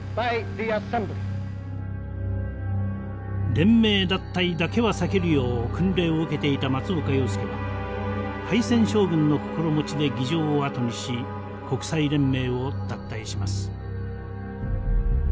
連盟脱退だけは避けるよう訓令を受けていた松岡洋右は敗戦将軍の心持ちで議場を後にし国際連盟を脱退します。